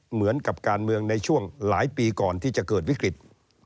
เหมือนกับการเมืองในช่วงหลายปีก่อนที่จะเกิดวิกฤต